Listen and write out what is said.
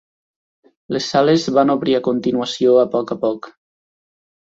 Les sales van obrir a continuació a poc a poc.